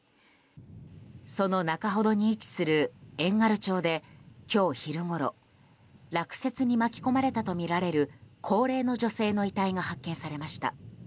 その中ほどに位置する遠軽町で今日昼ごろ落雪に巻き込まれたとみられる高齢の女性の遺体が発見されました。